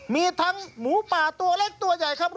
มีทั้งหมูป่าตัวเล็กตัวใหญ่ครับ